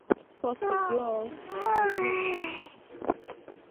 Fogki guloʼo, halgi guʼ nul timma.